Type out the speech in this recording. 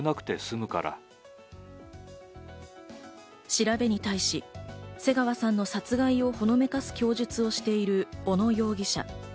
調べに対し、瀬川さんの殺害をほのめかすような供述をしている小野容疑者。